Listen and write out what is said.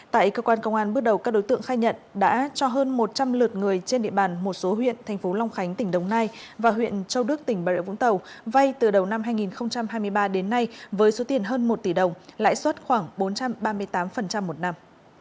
tại cơ quan công an bước đầu các đối tượng khai nhận đã cho hơn một trăm linh lượt người trên địa bàn một số huyện thành phố long khánh tỉnh đồng nai và huyện châu đức tỉnh bà rịa vũng tàu vay từ đầu năm hai nghìn hai mươi ba đến nay với số tiền hơn một tỷ đồng lãi suất khoảng bốn trăm ba mươi tám một năm